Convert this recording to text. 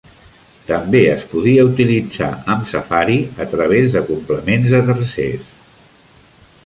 També es podia utilitzar amb Safari a través de complements de tercers.